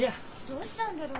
どうしたんだろ？